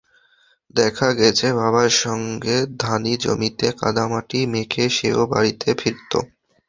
দেখা গেছে, বাবার সঙ্গে ধানি জমিতে কাদামাটি মেখে সে-ও বাড়িতে ফিরত।